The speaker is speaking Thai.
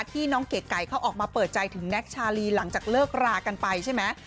ที่น้องเก๋ไก่เขาออกมาเปิดใจถึงแน็กชาลีหลังจากเลิกรากันไปใช่ไหม